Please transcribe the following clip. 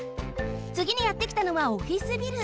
つぎにやってきたのはオフィスビル。